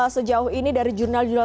sejauh ini dari jurnal jurnal